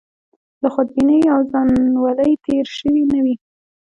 له خودبینۍ او ځانولۍ تېر شوي نه وي.